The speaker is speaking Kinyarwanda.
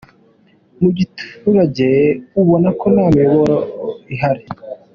Mu giturage ubona ko nta miyoboro ihari.